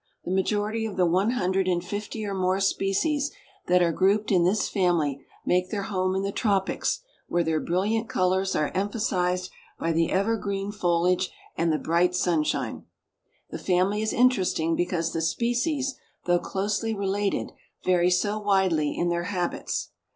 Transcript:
The majority of the one hundred and fifty or more species that are grouped in this family make their home in the tropics where their brilliant colors are emphasized by the ever green foliage and the bright sunshine. The family is interesting because the species, though closely related, vary so widely in their habits.